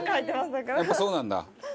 やっぱそうなんだ。